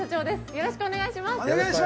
よろしくお願いします。